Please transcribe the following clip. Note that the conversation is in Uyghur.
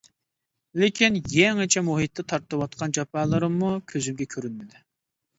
لېكىن يېڭىچە مۇھىتتا تارتىۋاتقان جاپالىرىممۇ كۆزۈمگە كۆرۈنمىدى.